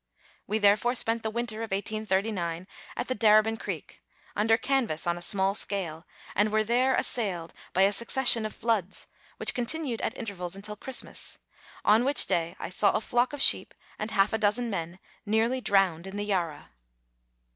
We therefore spent the winter of 1839 at the Darebin Creek, under canvas on a small scale, and were there assailed by a suc cession of floods, which continued at intervals until Christmas, on which day I saw a flock of sheep and half a dozen men nearly drowned in the Yarra.